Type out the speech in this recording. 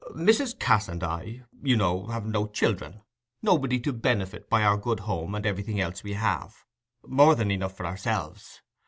"Mrs. Cass and I, you know, have no children—nobody to benefit by our good home and everything else we have—more than enough for ourselves.